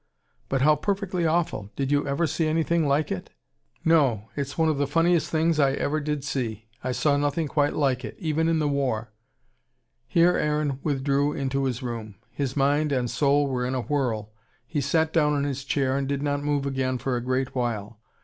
"But how perfectly AWFUL! Did you ever see anything like it?" "No. It's one of the funniest things I ever did see. I saw nothing quite like it, even in the war " Here Aaron withdrew into his room. His mind and soul were in a whirl. He sat down in his chair, and did not move again for a great while.